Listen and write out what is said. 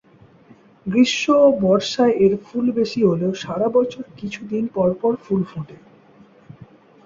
গ্রীষ্ম ও বর্ষায় এর ফুল বেশি হলেও সারা বছর কিছু দিন পরপর ফুল ফোটে।